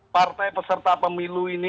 partai peserta pemilu ini